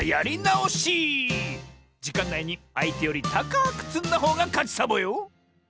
じかんないにあいてよりたかくつんだほうがかちサボよ！